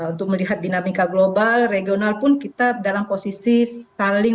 untuk melihat dinamika global regional pun kita dalam posisi saling